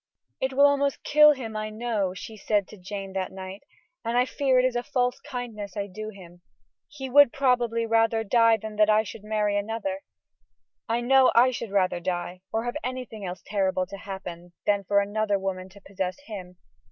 "It will almost kill him, I know," she said to Jane that night, "and I fear it is a false kindness I do him. He would, probably, rather die than that I should marry another; I know that I should rather die, or have anything else terrible to happen, than for another woman to possess him.